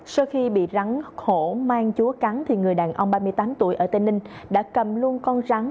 sau khi bị rắn hổ mang chúa cắn thì người đàn ông ba mươi tám tuổi ở tây ninh đã cầm luôn con rắn